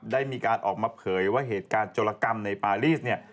ได้มีการออกมาเผยว่าเหตุการณ์โจรกรรมในปารีสเนี่ย